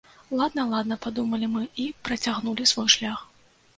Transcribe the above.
Ладна-ладна, падумалі мы, і працягнулі свой шлях.